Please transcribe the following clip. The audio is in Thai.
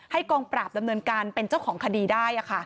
กองปราบดำเนินการเป็นเจ้าของคดีได้